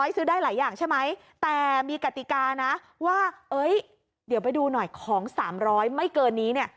ซื้อได้หลายอย่างใช่ไหมแต่มีกติกานะว่าเดี๋ยวไปดูหน่อยของ๓๐๐ไม่เกินนี้เนี่ย